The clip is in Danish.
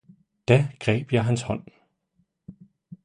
da greb jeg hans hånd.